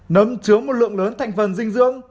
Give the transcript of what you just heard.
nấm chứa một lượng lớn thành phần dinh dưỡng